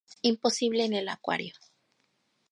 Imposible en el acuario